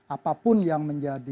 apapun yang menjadi